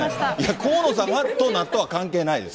河野さんと納豆は関係ないです。